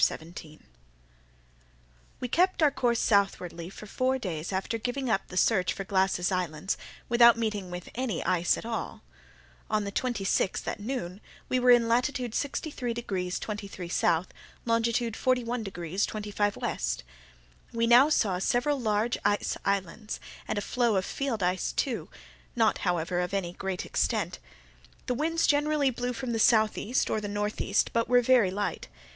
CHAPTER 17 We kept our course southwardly for four days after giving up the search for Glass's islands, without meeting with any ice at all. On the twenty sixth, at noon, we were in latitude 63 degrees 23' S., longitude 41 degrees 25' W. We now saw several large ice islands, and a floe of field ice, not, however, of any great extent. The winds generally blew from the southeast, or the northeast, but were very light.